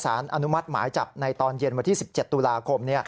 อนุมัติหมายจับในตอนเย็นวันที่๑๗ตุลาคม